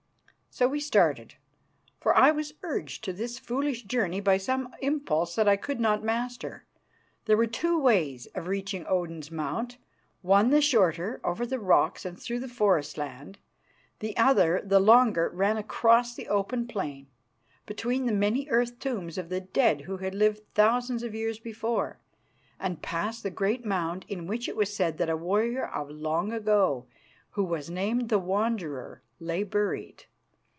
So we started, for I was urged to this foolish journey by some impulse that I could not master. There were two ways of reaching Odin's Mount; one, the shorter, over the rocks and through the forest land. The other, the longer, ran across the open plain, between the many earth tombs of the dead who had lived thousands of years before, and past the great mound in which it was said that a warrior of long ago, who was named the Wanderer, lay buried.